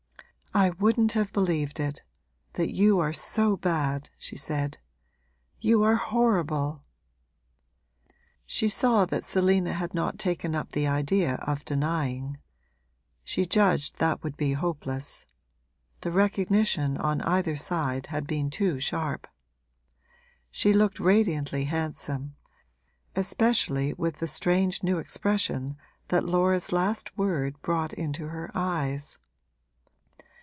'I wouldn't have believed it that you are so bad,' she said. 'You are horrible!' She saw that Selina had not taken up the idea of denying she judged that would be hopeless: the recognition on either side had been too sharp. She looked radiantly handsome, especially with the strange new expression that Laura's last word brought into her eyes.